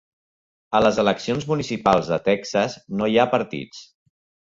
A les eleccions municipals de Texas no hi ha partits.